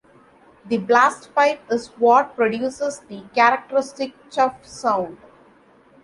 The blastpipe is what produces the characteristic "chuff" sound.